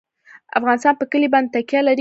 افغانستان په کلي باندې تکیه لري.